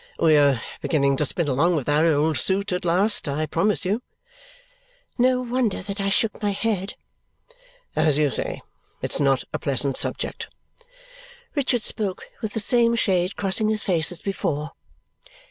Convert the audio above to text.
"We are beginning to spin along with that old suit at last, I promise you." No wonder that I shook my head! "As you say, it's not a pleasant subject." Richard spoke with the same shade crossing his face as before.